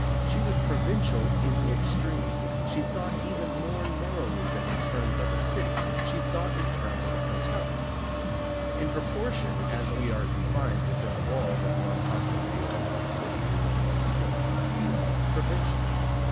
She was provincial in the extreme; she thought even more narrowly than in the terms of a city; she thought in the terms of an hotel. In proportion as we are confined within the walls of one hostelry or one city or one state, we are provincial.